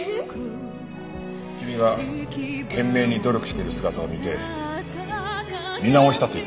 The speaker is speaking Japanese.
君が懸命に努力している姿を見て見直したと言っていた。